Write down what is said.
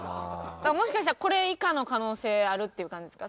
だからもしかしたらこれ以下の可能性あるっていう感じですか？